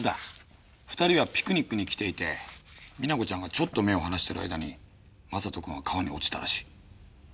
２人はピクニックに来ていて実那子ちゃんがちょっと目を離してる間に将人くんは川に落ちたらしい。